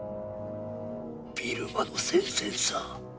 ビルマの戦線さ。